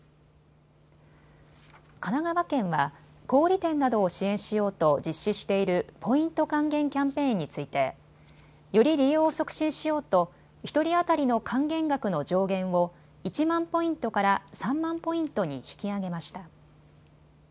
神奈川県は小売店などを支援しようと実施しているポイント還元キャンペーンについてより利用を促進しようと１人当たりの還元額の上限を１万ポイントから３万ポイントに引き上げました。